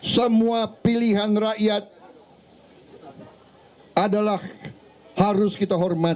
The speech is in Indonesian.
semua pilihan rakyat adalah harus kita hormati